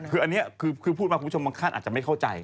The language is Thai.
คือเนี่ยคือพูดมาผู้ชมบางขั้นอาจจะไม่เข้าใจ